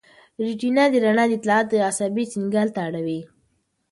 ریټینا د رڼا اطلاعات عصبي سېګنال ته اړوي.